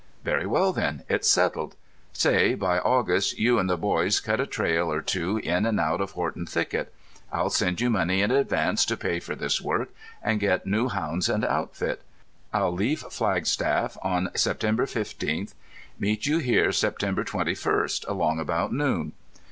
"Very well, then, it's settled. Say by August you and the boys cut a trail or two in and out of Horton Thicket. I'll send you money in advance to pay for this work, and get new hounds and outfit. I'll leave Flagstaff on September fifteenth. Meet you here September twenty first, along about noon."